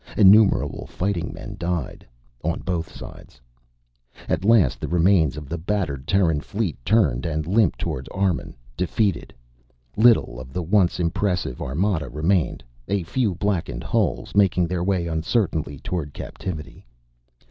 Innumerable fighting men died on both sides. At last the remains of the battered Terran fleet turned and limped toward Armun defeated. Little of the once impressive armada remained. A few blackened hulks, making their way uncertainly toward captivity.